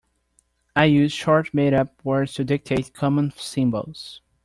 I use short made-up words to dictate common symbols.